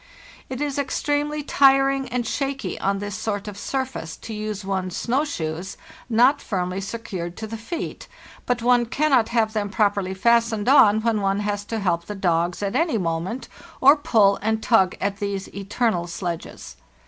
It is extremely tiring and shaky on this sort of surface to use one's snow shoes not firmly secured to the feet, but one cannot have them properly fastened on when one has to help the dogs at any moment or pull and tug at these eternal sledges.